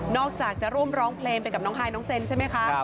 อกจากจะร่วมร้องเพลงไปกับน้องฮายน้องเซนใช่ไหมคะ